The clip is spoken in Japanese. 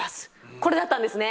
これだったんですね。